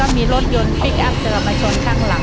มีรถยนต์พลิกอัพเจอมาชนข้างหลัง